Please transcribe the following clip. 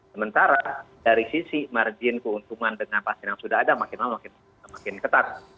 sementara dari sisi margin keuntungan dengan pasien yang sudah ada makin lama makin ketat